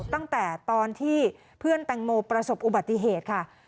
ตั้งแต่ตอนที่เพื่อนแตงโมประสบอุบัติเหตุค่ะ